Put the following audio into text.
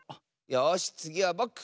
よしつぎはぼく！